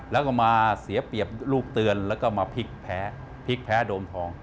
แล้วก็มาเสียเปรียบลูกเตือนแล้วก็มาพลิกแพ้พลิกแพ้โดมทอง